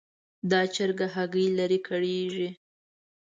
دا چرګه هګۍ لري؛ کړېږي.